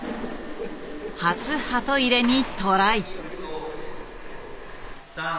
初ハト入れにトライ。